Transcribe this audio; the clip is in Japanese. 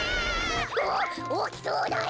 おおきそうだよ。